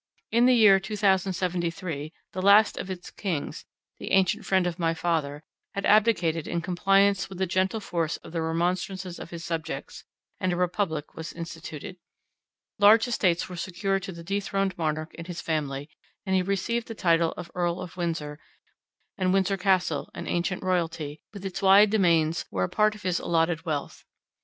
In the year 2073, the last of its kings, the ancient friend of my father, had abdicated in compliance with the gentle force of the remonstrances of his subjects, and a republic was instituted. Large estates were secured to the dethroned monarch and his family; he received the title of Earl of Windsor, and Windsor Castle, an ancient royalty, with its wide demesnes were a part of his allotted wealth.